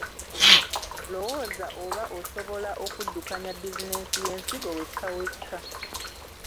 Lowooza oba osobola okuddukanya bizinensi y’ensigo wekkawekka.